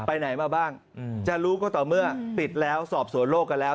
ไปไหนมาบ้างจะรู้ก็ต่อเมื่อปิดแล้วสอบสวนโลกกันแล้ว